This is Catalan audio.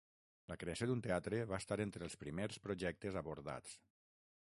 La creació d'un teatre va estar entre els primers projectes abordats.